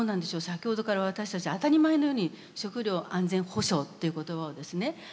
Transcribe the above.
先ほどから私たちは当たり前のように「食料安全保障」っていう言葉をですね